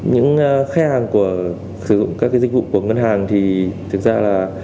những khách hàng sử dụng các cái dịch vụ của ngân hàng thì thực ra là